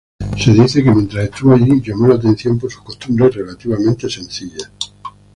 Se dice que mientras estuvo allí llamó la atención por sus costumbres relativamente sencillas.